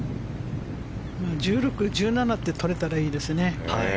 １６、１７ってとれたらいいですね。